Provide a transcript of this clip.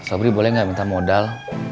sobri boleh nggak minta modal